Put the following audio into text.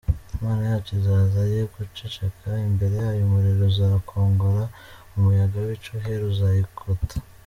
Imana yacu izaza ye guceceka, Imbere yayo umuriro uzakongora, Umuyaga w’ishuheri uzayigota.